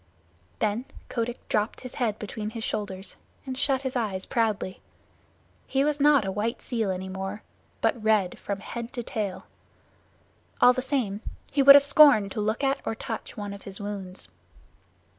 Then Kotick dropped his head between his shoulders and shut his eyes proudly. He was not a white seal any more, but red from head to tail. All the same he would have scorned to look at or touch one of his wounds.